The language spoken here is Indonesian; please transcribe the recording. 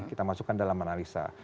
kita masukkan dalam analisa